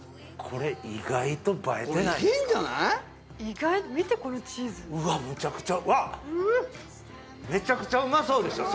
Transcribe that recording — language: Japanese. これ意外と映えてないですか見てこのチーズうわむちゃくちゃわっめちゃくちゃうまそうでしょ